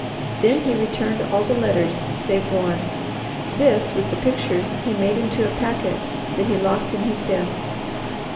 Then he returned all the letters save one. This with the pictures he made into a packet that he locked in his desk.